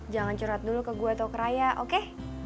jangan curhat dulu ke gue atau ke raya oke